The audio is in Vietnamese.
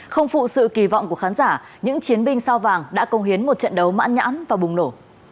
không phụ sự kỳ vọng của khán giả những chiến binh sao vàng đã công hiến một trận đấu mãn nhãn và bùng nổ